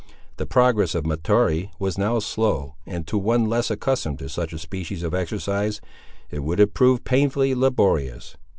The progress of Mahtoree was now slow, and to one less accustomed to such a species of exercise, it would have proved painfully laborious.